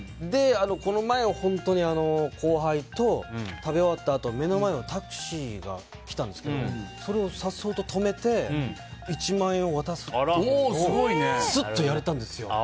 この前後輩と食べ終わったあと目の前にタクシーが来たんですけどそれをさっそうと止めて１万円を渡すっていうのがスッとやれたんですよ。